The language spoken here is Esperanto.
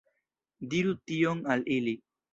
Diru tion al ili!